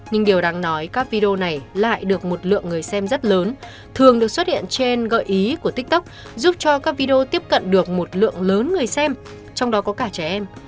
nhưng điều đáng nói các video này lại được một lượng người xem rất lớn thường được xuất hiện trên gợi ý của tiktok giúp cho các video tiếp cận được một lượng lớn người xem trong đó có cả trẻ em